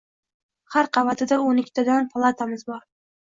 Har qavatida o‘n ikkitadan palatamiz bor.